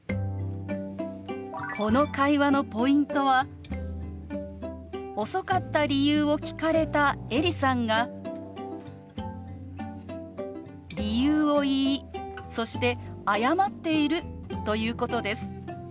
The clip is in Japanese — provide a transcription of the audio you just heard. この会話のポイントは遅かった理由を聞かれたエリさんが理由を言いそして謝っているということです。